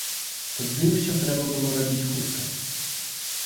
Тады ўсё трэба было рабіць хутка.